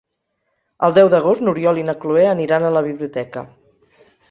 El deu d'agost n'Oriol i na Cloè aniran a la biblioteca.